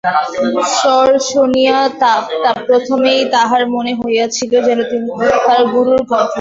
স্বর শুনিয়া প্রথমেই তাঁহার মনে হইয়াছিল, যেন তাঁর গুরুর কণ্ঠস্বর।